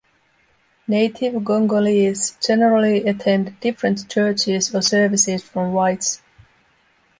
Native Congolese generally attended different churches or services from whites.